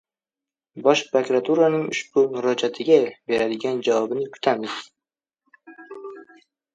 Bosh prokuraturaning ushbu murojatga beradigan javobini kuzatamiz.